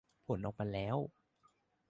ผลออกมาแล้ว